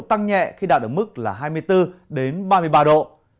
tăng nhẹ khi đạt được mức là hai mươi bốn đến ba mươi ba độ